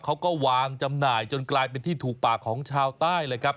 เขาก็วางจำหน่ายจนกลายเป็นที่ถูกปากของชาวใต้เลยครับ